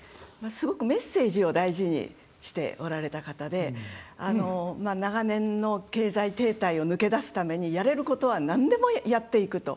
すごくメッセージを大事にしておられた方で長年の経済停滞を抜け出すためにやれることはなんでもやっていくと。